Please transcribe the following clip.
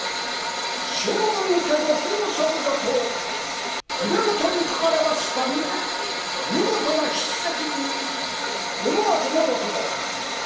「将軍家御休息所」と筆太に書かれました見事な筆跡に思わず目を留められる。